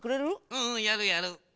うんうんやるやる。